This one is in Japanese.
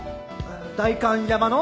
「代官山の？